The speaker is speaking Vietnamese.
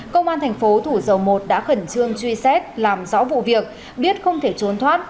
công an thành phố thủ dầu một đã khẩn trương truy xét làm rõ vụ việc biết không thể trốn thoát